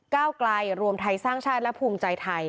ก้าวไกลรวมไทยสร้างชาติและภูมิใจไทย